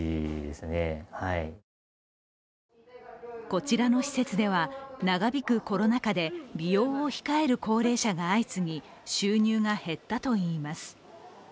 こちらの施設では長引くコロナ禍で利用を控える高齢者が相次ぎ収入が減ったといいます。